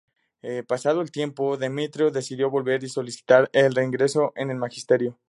Pasado el tiempo, Demetrio decidió volver y solicitar el reingreso en el magisterio.